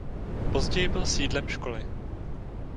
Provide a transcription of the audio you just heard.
Později byl sídlem školy.